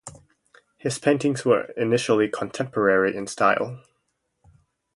His paintings were initially contemporary in style.